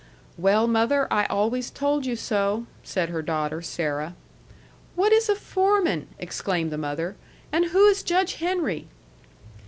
"Well, mother, I always told you so," said her daughter Sarah. "What is a foreman?" exclaimed the mother. "And who is Judge Henry?"